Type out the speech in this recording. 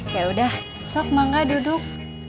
yaudah sok mangga duduk